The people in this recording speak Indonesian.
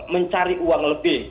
mencari uang lebih